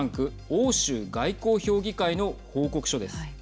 欧州外交評議会の報告書です。